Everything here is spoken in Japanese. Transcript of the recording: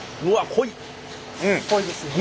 濃いですよね。